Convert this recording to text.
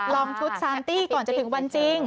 ชุดซานตี้ก่อนจะถึงวันจริง